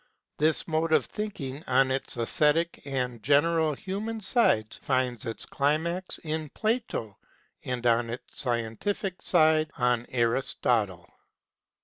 This mode of thinking on its aesthetic and general human sides finds its climax in Plato, and, on its scientific SPECULATIVE PHILOSOPHY 35 side, in Aristotle.